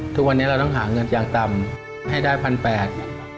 ทุกวันนี้เราต้องหาเงินอย่างต่ำให้ได้พันแปด